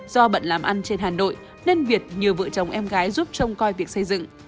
do bận làm ăn trên hà nội nên việt nhờ vợ chồng em gái giúp trông coi việc xây dựng